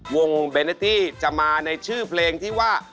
วงเบเนตี้จะมาในชื่อเพลงที่ว่า